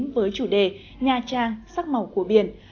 với chủ đề nha trang sắc màu của biển